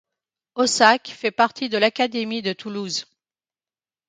Aussac fait partie de l'Académie de Toulouse.